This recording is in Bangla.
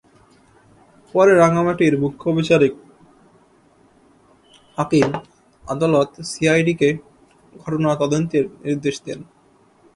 পরে রাঙামাটির মুখ্য বিচারিক হাকিম আদালত সিআইডিকে ঘটনা তদন্তের নির্দেশ দেন।